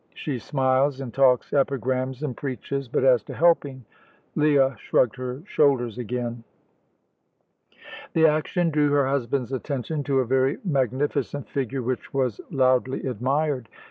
She smiles, and talks epigrams, and preaches, but as to helping " Leah shrugged her shoulders again. The action drew her husband's attention to a very magnificent figure which was loudly admired.